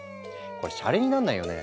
これシャレになんないよね。